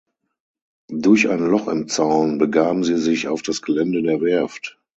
Durch ein Loch im Zaun begaben sie sich auf das Gelände der Werft.